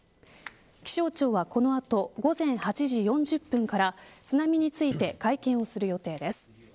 気象庁はこのあと午前８時４０分から津波について会見をする予定です。